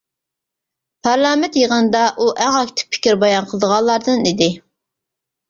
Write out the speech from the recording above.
پارلامېنت يىغىنىدا ئۇ ئەڭ ئاكتىپ پىكىر بايان قىلىدىغانلاردىن ئىدى.